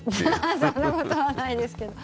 そんなことはないですけど。